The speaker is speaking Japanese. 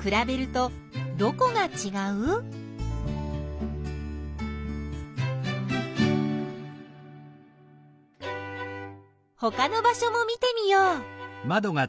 くらべるとどこがちがう？ほかの場しょも見てみよう！